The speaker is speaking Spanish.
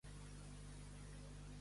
El dúo atacó a Garza Jr.